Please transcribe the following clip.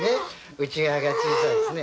内側が小さいですね。